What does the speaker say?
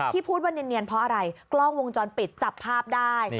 พูดว่าเนียนเพราะอะไรกล้องวงจรปิดจับภาพได้